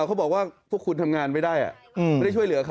เขาบอกว่าพวกคุณทำงานไม่ได้ไม่ได้ช่วยเหลือเขา